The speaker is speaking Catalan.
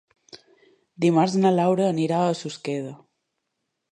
Dimarts na Laura anirà a Susqueda.